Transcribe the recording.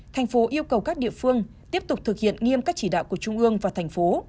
thành phố yêu cầu các địa phương tiếp tục thực hiện nghiêm các chỉ đạo của trung ương và thành phố